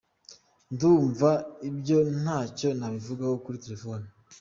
Ndumva ibyo ntacyo nabivugaho kuri telephone”.